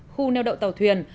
khu neo đậu tàu thuyền